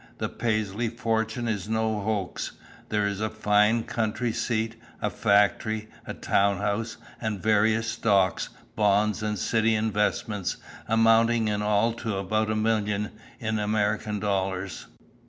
The Paisley fortune is no hoax. There is a fine country seat, a factory, a town house, and various stocks, bonds and city investments amounting in all to above a million in American dollars.